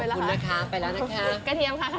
อุ๊ยง่าตัว